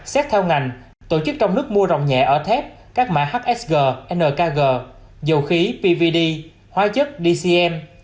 xét theo ngành tổ chức trong nước mua rộng nhẹ ở thép các mã hsg nkg dầu khí pvd hoa chất dcm